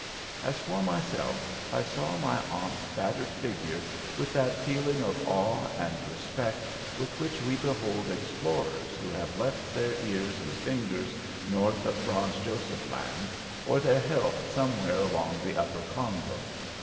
As for myself, I saw my aunt's battered figure with that feeling of awe and respect with which we behold explorers who have left their ears and fingers north of Franz Joseph Land, or their health somewhere along the Upper Congo.